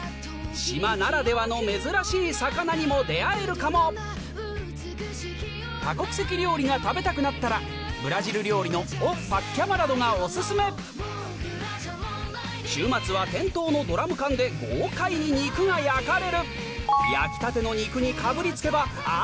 島ならではの珍しい魚にも出合えるかも多国籍料理が食べたくなったらブラジル料理のがお薦め週末は店頭のドラム缶で豪快に肉が焼かれる焼きたての肉にかぶり付けばあ